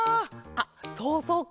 あっそうそう